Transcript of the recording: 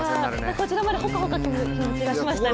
こちらまでほかほかする気持ちになりましたね。